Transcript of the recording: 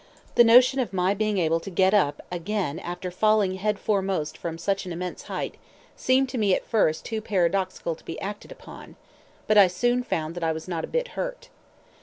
The notion of my being able to get up again after falling head foremost from such an immense height seemed to me at first too paradoxical to be acted upon, but I soon found that I was not a bit hurt.